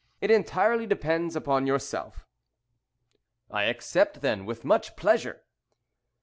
It entirely depends upon yourself." "I accept, then, with much pleasure."